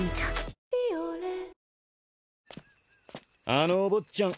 あのお坊ちゃん